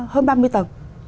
hơn ba mươi tầng